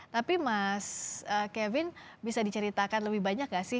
tapi mas kevin bisa diceritakan lebih banyak gak sih